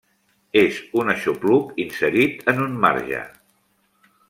És un aixopluc inserit en un marge.